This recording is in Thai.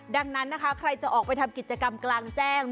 ดังนั้นนะคะใครจะออกไปทำกิจกรรมกลางแจ้ง